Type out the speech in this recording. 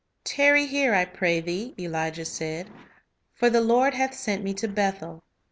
"Tarry here, I pray thee," Elijah said; "for the Lord hath sent me to Bethel."